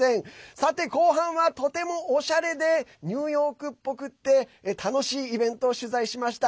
さて、後半は、とてもおしゃれでニューヨークっぽくて楽しいイベントを取材しました。